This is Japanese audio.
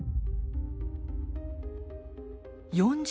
４０